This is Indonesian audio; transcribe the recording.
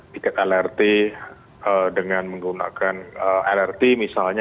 tiket lrt dengan menggunakan lrt misalnya